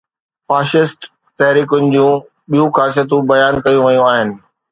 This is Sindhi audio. فاشسٽ تحريڪن جون ٻيون خاصيتون به بيان ڪيون ويون آهن.